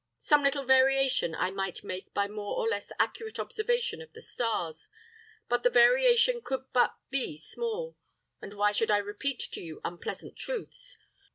Some little variation I might make by more or less accurate observation of the stars; but the variation could but be small, and why should I repeat to you unpleasant truths.